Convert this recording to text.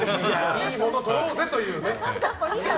いいもの撮ろうぜみたいなね。